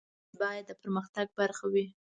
ولس باید د پرمختګ برخه وي.